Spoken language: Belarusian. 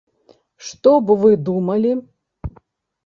Што б вы думалі?